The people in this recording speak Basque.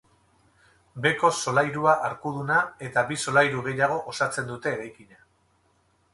Beheko solairua arkuduna eta bi solairu gehiago osatzen dute eraikina.